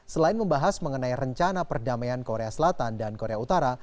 selain membahas mengenai rencana perdamaian korea selatan dan korea utara